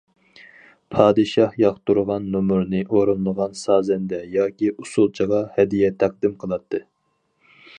پادىشاھ ياقتۇرغان نومۇرنى ئورۇنلىغان سازەندە ياكى ئۇسسۇلچىغا ھەدىيە تەقدىم قىلاتتى.